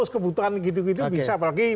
kebutuhan gitu gitu bisa apalagi